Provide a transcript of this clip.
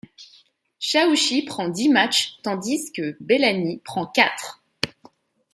Chaouchi prend dix matchs tandis que Belhani prend quatre.